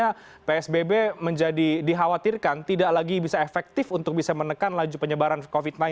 karena psbb menjadi dikhawatirkan tidak lagi bisa efektif untuk bisa menekan laju penyebaran covid sembilan belas